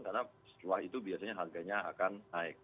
karena setelah itu biasanya harganya akan naik